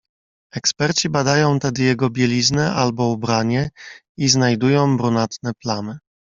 "Eksperci badają tedy jego bieliznę albo ubranie i znajdują brunatne plamy."